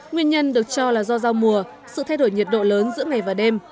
nguyên nhân được cho là do giao mùa sự thay đổi nhiệt độ lớn giữa ngày và đêm